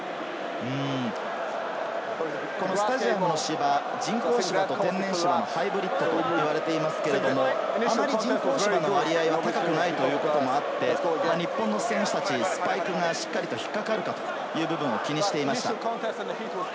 スタジアムの芝は人工芝と天然芝のハイブリッドと言われていますけれど、あまり人工芝の割合は高くないということもあって、日本の選手たち、スパイクがしっかり引っ掛かるかという部分を気にしていました。